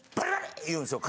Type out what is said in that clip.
言うんすよ